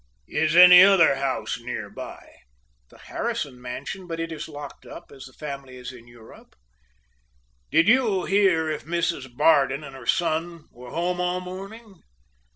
"Is any other house near by?" "The Harrison mansion, but it is locked up, as the family is in Europe." "Did you hear if Mrs. Bardon and her son were home all morning?"